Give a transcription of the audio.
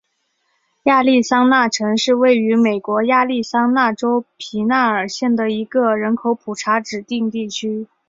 亚利桑那城是位于美国亚利桑那州皮纳尔县的一个人口普查指定地区。